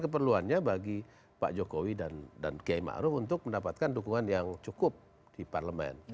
bukannya bagi pak jokowi dan kiai ma'ruf untuk mendapatkan dukungan yang cukup di parlemen